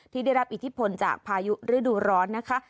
ที่ได้รับอิทธิพลจากพายุฤดูร้อนนะคะ